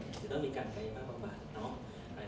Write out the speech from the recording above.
จะต้องมีการกายภาพประวัติ